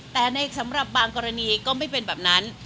แต่ในสำหรับบางกรณีก็ไม่เป็นแบบนั้น